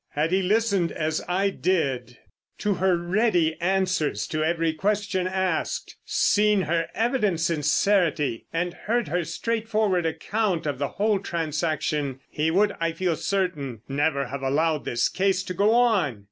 Had he listened as I did to her ready answers to every question asked—seen her evident sincerity and heard her straightforward account of the whole transaction, he would, I feel certain, never have allowed this case to go on.